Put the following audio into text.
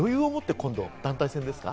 今度団体戦ですか。